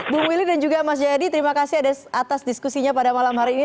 bu willy dan juga mas jayadi terima kasih atas diskusinya pada malam hari ini